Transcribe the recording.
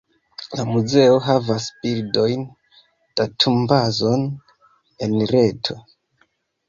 La muzeo havas bildojn-datumbazon en reto.